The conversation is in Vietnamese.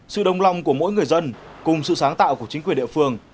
sự đồng lòng của mỗi người dân cùng sự sáng tạo của chính quyền địa phương